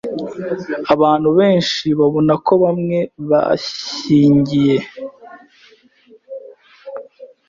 Abantu benshi babona ko bamwe bashyingiye